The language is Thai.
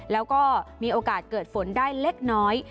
แล้วก็มีโอกาสเกิดฝนได้เล็กน้อย